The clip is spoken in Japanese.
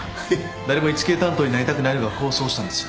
誰もイチケイ担当になりたくないのが功を奏したんですよ。